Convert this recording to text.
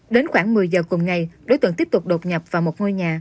đến khoảng một mươi giờ cùng ngày đối tượng tiếp tục đột nhập vào một ngôi nhà